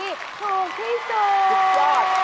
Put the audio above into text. ยี่สิบยอดยี่สิบยอด